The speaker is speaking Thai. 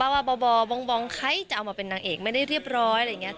ว่าบ่อบองใครจะเอามาเป็นนางเอกไม่ได้เรียบร้อยอะไรอย่างนี้